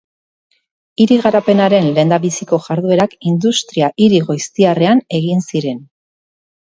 Hiri-garapenaren lehendabiziko jarduerak industria-hiri goiztiarrean egin ziren.